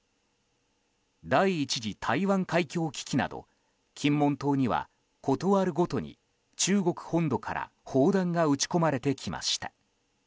第１次台湾海峡危機など金門島には、ことあるごとに中国本土から砲弾が撃ち込まれてきました。